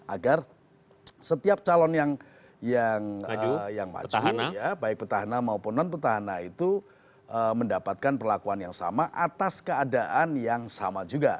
agar setiap calon yang maju baik petahana maupun non petahana itu mendapatkan perlakuan yang sama atas keadaan yang sama juga